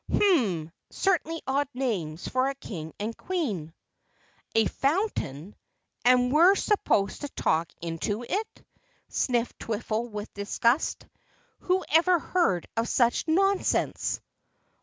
Hmmmm certainly odd names for a King and Queen." "A Phontain and we're supposed to talk into it!" sniffed Twiffle with disgust. "Whoever heard of such nonsense!"